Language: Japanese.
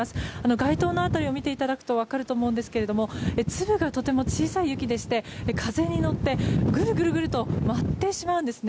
街灯の辺りを見ていただくと分かると思うんですが粒がとても小さい雪でして風に乗ってぐるぐるぐると舞ってしまうんですね。